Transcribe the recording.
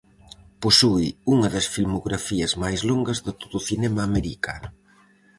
Posúe unha das filmografías máis longas de todo o cinema americano.